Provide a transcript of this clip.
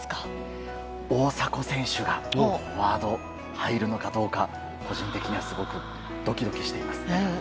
大迫選手がフォワードに入るのかどうか個人的にはすごくドキドキしています。